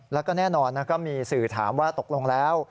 แล้วก็แน่นอนก็มีสื่อถามว่าตกลงแล้ว